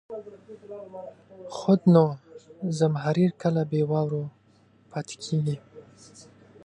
خود نو، زمهریر کله بې واورو پاتې کېږي.